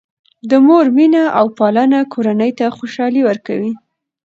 د مور مینه او پالنه کورنۍ ته خوشحالي ورکوي.